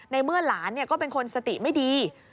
เมื่อหลานก็เป็นคนสติไม่ดี